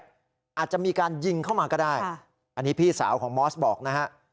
อาจจะมีการยิงเข้ามาก็ได้อันนี้พี่สาวของมอสบอกนะฮะ